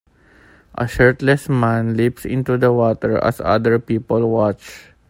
A shirtless man leaps into the water as other people watch.